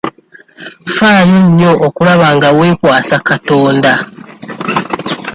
Ffaayo nnyo okulaba nga weekwasa katonda.